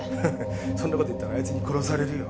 そんな事言ったらあいつに殺されるよ。